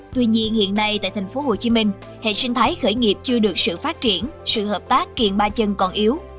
tuy nhiên hiện nay tại tp hcm hệ sinh thái khởi nghiệp chưa được sự phát triển sự hợp tác kiện ba chân còn yếu